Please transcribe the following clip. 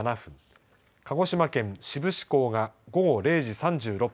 鹿児島県志布志港が午後０時３６分